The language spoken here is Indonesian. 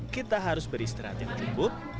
kita harus beristirahat yang cukup